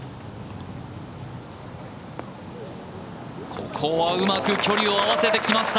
ここはうまく距離を合わせてきました。